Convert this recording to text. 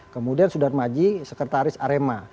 kemudian sudar maji sekretaris arema